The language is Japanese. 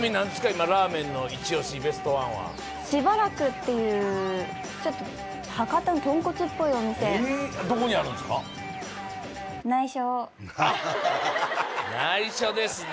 今ラーメンのイチオシベストワンは「しばらく」っていうちょっと博多の豚骨っぽいお店内緒ですね